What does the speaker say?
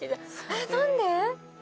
えっなんで？